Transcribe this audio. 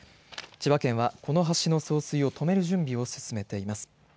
千葉県はこの橋の送水を止める準備を進めています。